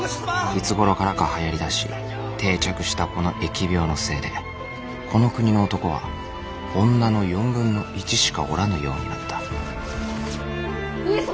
いつごろからかはやりだし定着したこの疫病のせいでこの国の男は女の４分の１しかおらぬようになった上様！